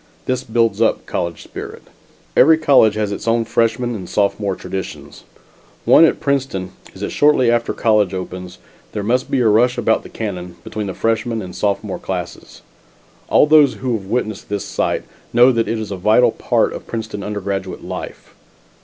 This builds up college spirit. Every college has its own freshman and sophomore traditions; one at Princeton is, that shortly after college opens there must be a rush about the cannon, between the freshman and sophomore classes. All those who have witnessed this sight, know that it is a vital part of Princeton undergraduate life.